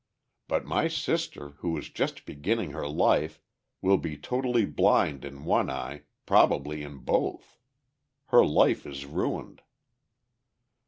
But my sister, who was just beginning her life, will be totally blind in one eye, probably in both. Her life is ruined."